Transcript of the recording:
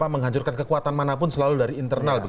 menghancurkan kekuatan manapun selalu dari internal